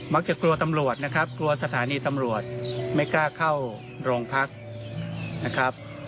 กลัวตำรวจนะครับกลัวสถานีตำรวจไม่กล้าเข้าโรงพักนะครับ